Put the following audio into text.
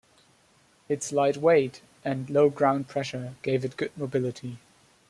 Its light weight and low ground pressure gave it good mobility.